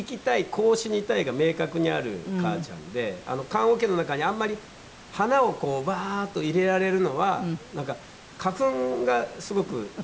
こう死にたいが明確にある母ちゃんで棺桶の中にあんまり花をワーッと入れられるのはなんか花粉がすごく嫌だから。